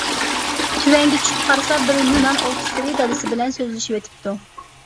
تۆۋەنگە چۈشۈپ قارىسا، بىر يۇنان ئوفىتسېرى دادىسى بىلەن سۆزلىشىۋېتىپتۇ.